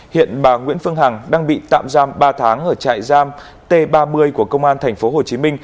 hiện bà nguyễn phương hằng đang bị tạm giam ba tháng ở trại giam t ba mươi của công an tp hcm